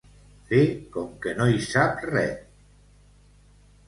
Fer com que no hi sap res.